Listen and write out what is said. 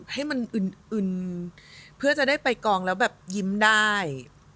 ให้มันอึนเพื่อจะได้ไปกองแล้วแบบยิ้มได้